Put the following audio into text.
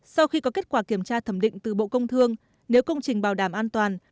sau khi có kết quả kiểm tra thẩm định từ bộ công thương nếu công trình bảo đảm an toàn